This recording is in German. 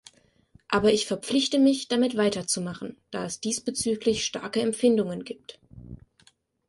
Aber ich verpflichte mich, damit weiterzumachen, da es diesbezüglich starke Empfindungen gibt.